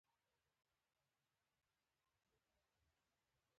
د نړېدلو كورونو له منځه خړ دودونه لټېدل.